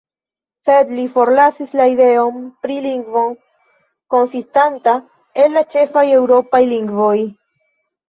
Sed li forlasis la ideon pri lingvo konsistanta el la ĉefaj eŭropaj lingvoj.